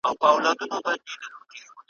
هېری څرنگه د مینی ورځی شپې سي `